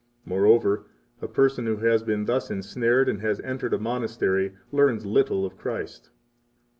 [Moreover, a person who has been thus ensnared and has entered a monastery learns little of Christ.